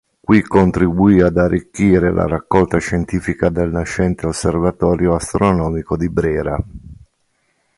Qui contribuì ad arricchire la raccolta scientifica del nascente osservatorio astronomico di Brera.